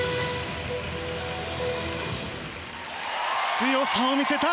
強さを見せた！